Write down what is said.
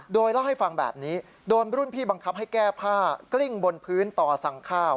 โดยเล่าให้ฟังแบบนี้โดนรุ่นพี่บังคับให้แก้ผ้ากลิ้งบนพื้นต่อสั่งข้าว